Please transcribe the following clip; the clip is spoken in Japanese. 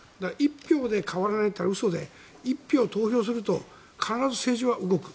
１票で変わらないのは嘘で１票投票すると必ず政治は動く。